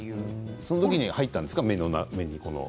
その時に目に入ったんですか？